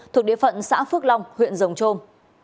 thuộc địa phận xã phước long huyện rồng trôm